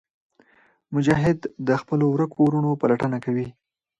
مجاهد د خپلو ورکو وروڼو پلټنه کوي.